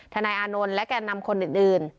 นายอานนท์และแก่นำคนอื่น